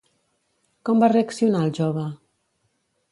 Com va reaccionar el jove?